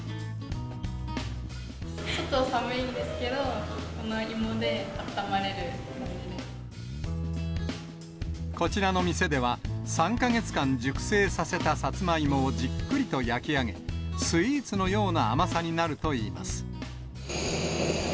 外は寒いんですけど、このおこちらの店では、３か月間熟成させたサツマイモをじっくりと焼き上げ、スイーツのような甘さになるといいます。